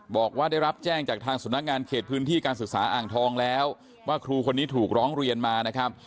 บอกว่าได้รับแจ้งจากทางสำนักงานเขตพื้นที่การศึกษาอ่างทองแล้วว่าครูคนนี้ถูกร้องเรียนมานะครับ